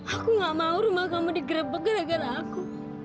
aku gak mau rumah kamu digerebek gara gara aku